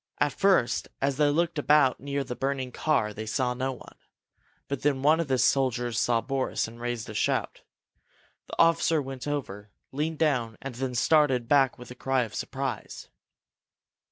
At first, as they looked about near the burning car, they saw no one. But then one of the soldiers saw Boris and raised a shout. The officer went over, leaned down and then started back with a cry of surprise.